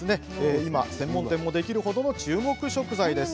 今、専門店もできる程の注目食材。